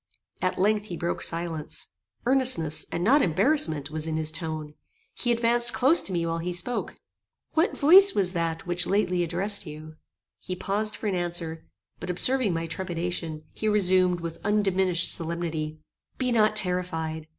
At length, he broke silence. Earnestness, and not embarrassment, was in his tone. He advanced close to me while he spoke. "What voice was that which lately addressed you?" He paused for an answer; but observing my trepidation, he resumed, with undiminished solemnity: "Be not terrified.